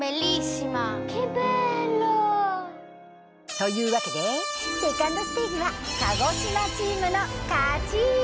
というわけでセカンドステージは鹿児島チームの勝ち。